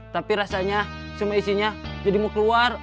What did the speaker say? tapi rasanya cuma isinya jadi mau keluar